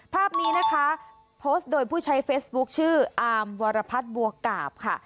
ภาพนี้นะคะโพสต์โดยผู้ใช้เฟซบุ๊คชื่ออามวรพัฒน์บัวกาบค่ะ